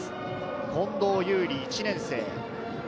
近藤侑璃、１年生。